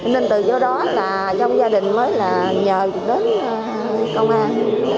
nên từ do đó là trong gia đình mới là nhờ đến công an